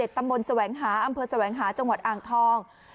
ตำบลอำเตอร์แสวงหาจังหวัดอางทอง